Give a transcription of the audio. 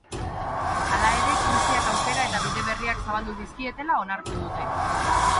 Hala ere, krisiak aukera eta bide berriak zabaldu dizkietela onartu dute.